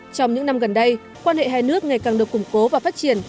trong những năm gần đây quan hệ hai nước ngày càng được củng cố và phát triển